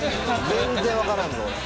全然分からんぞ俺。